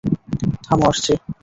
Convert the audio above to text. থামো, আসছি।